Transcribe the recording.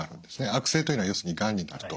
悪性というのは要するにがんになると。